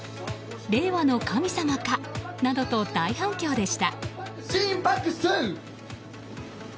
令和の神様かなどと大反響でした。